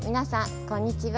こんにちは。